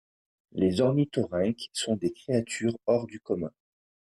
Les ornithorynques sont des créatures hors du commun.